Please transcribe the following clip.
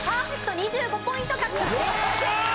２５ポイント獲得です。